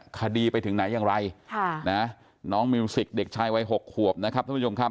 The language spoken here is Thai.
คดีไปถึงไหนอย่างไรน้องมิวสิกเด็กชายวัย๖ขวบนะครับท่านผู้ชมครับ